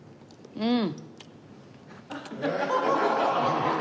うん。